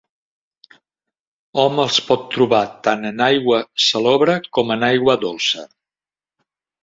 Hom els pot trobar tant en aigua salobre com en aigua dolça.